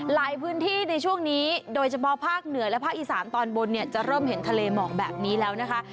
หลายพื้นที่ในช่วงนี้โดยเฉพาะภาคเหนือและภาคอีสานตอนบนเนี่ยจะเริ่มเห็นทะเลหมอกแบบนี้แล้วนะคะ